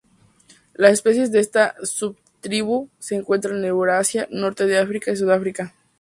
Las especies de esta subtribu se encuentran en Eurasia, Norte de África y Sudáfrica.